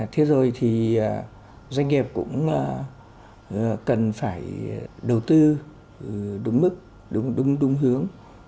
thế rồi thì doanh nghiệp cũng cần phải đầu tư đúng mức đúng hướng